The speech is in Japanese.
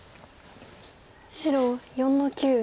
白４の九。